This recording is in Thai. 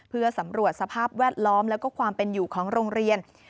เพื่อสำรวจสภาพแวดล้อมแล้วก็ความเป็นอยู่ของโรงเรียน